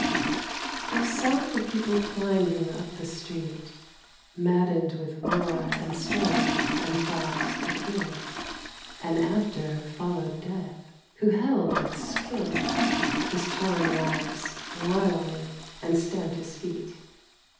I SAW the people climbing up the street Maddened with war and strength and thought to kill. And after followed Death, who held with skill His torn rags, royally, and stamped his feet.